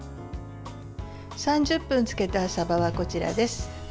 ３０分漬けたさばがこちらです。